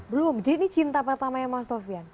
belum jadi ini cinta pertama ya mas sofian